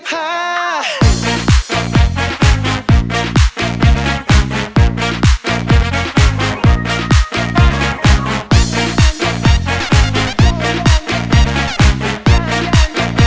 โปรดติดตามตอนต่อไป